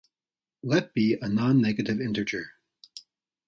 Let be a non-negative integer.